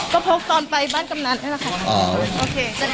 ก็เพราะตอนไปบ้านกำหนังนะครับ